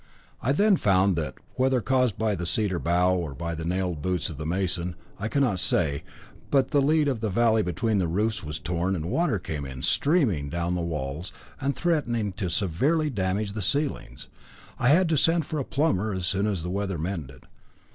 I then found that, whether caused by the cedar bough, or by the nailed boots of the mason, I cannot say, but the lead of the valley between the roofs was torn, and water came in, streaming down the walls, and threatening to severely damage the ceilings. I had to send for a plumber as soon as the weather mended.